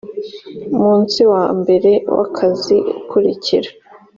munsi wa mbere w akazi ukurikira